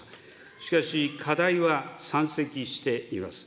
しかし、課題は山積しています。